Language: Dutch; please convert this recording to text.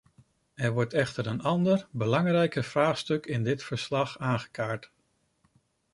Er wordt echter een ander, belangrijker vraagstuk in dit verslag aangekaart.